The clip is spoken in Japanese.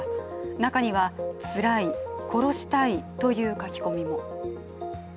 中には「つらい」「殺したい」という書き込みも。